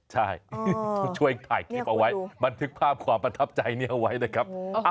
ใช่เขาช่วยถ่ายคลิปเอาไว้บันทึกภาพความประทับใจนี้เอาไว้นะครับ